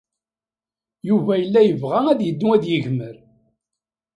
Yuba yella yebɣa ad yeddu ad yegmer.